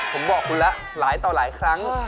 ผมบอกคุณแล้วหลายต่อหลายครั้ง